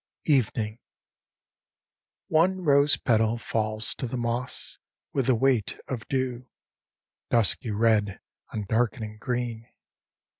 Evening ONE rose petal Falls to the moss With the weight of dew, Dusky red on darkening green.